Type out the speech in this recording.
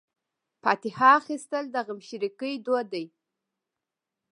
فاتحه اخیستل د غمشریکۍ دود دی.